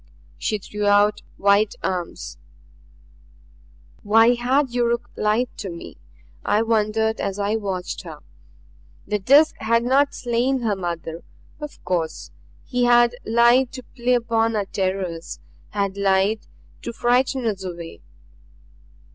She threw out white arms. Why had Yuruk lied to me? I wondered as I watched her. The Disk had not slain her mother. Of course! He had lied to play upon our terrors; had lied to frighten us away.